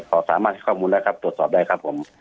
เขาสามารถให้ข้อมูลแล้วครับตรวจสอบได้ครับผม